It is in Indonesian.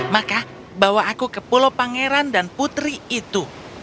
maka bawa aku ke pulau pangeran dan putri itu